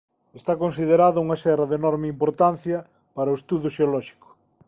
Está considerada unha serra de enorme importancia para o estudo xeolóxico.